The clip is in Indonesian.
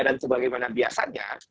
dan sebagaimana biasanya